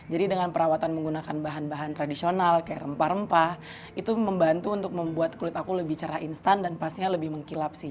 jadi dengan perawatan menggunakan bahan bahan tradisional kayak rempah rempah itu membantu untuk membuat kulit aku lebih cerah instan dan pastinya lebih mengkilap sih